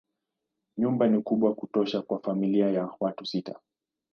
Nyumba ni kubwa kutosha kwa familia ya watu sita.